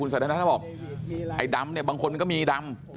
คุณสันธนะบอกไอ้ดำเนี่ยบางคนมันก็มีดำ